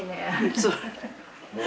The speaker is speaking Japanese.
そう。